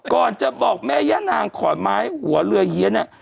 ก่อนจะบอกแม่ย่านางขอนไม้หัวเรือเฮียเนี่ย